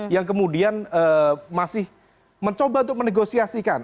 yang kemudian masih mencoba untuk menegosiasikan